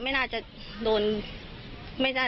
แต่ว่าเขายังอยู่อาศัยในบ้านหลังเดียวกัน